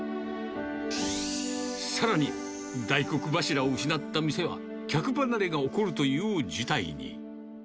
さらに、大黒柱を失った店は、客離れが起こるという事態に。